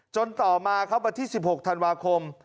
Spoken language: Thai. จนต่อมาปะที่๑๖ธันวาคม